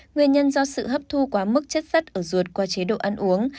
nguyên nhân do sự hấp thu quá mức chất sất ở ruột qua chế độ ăn uống